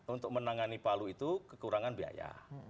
untuk menangani palu itu kekurangan biaya